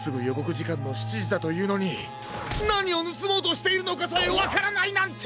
じかんの７じだというのになにをぬすもうとしているのかさえわからないなんて！